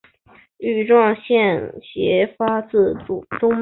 羽状脉斜发自中脉。